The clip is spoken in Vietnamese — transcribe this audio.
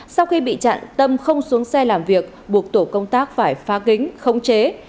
sau khi bị chặn tâm không xuống xe làm việc buộc tổ công tác phải phá kính khống chế